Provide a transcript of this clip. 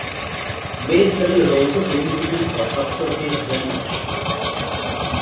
Base level is also significant for subsurface drainage.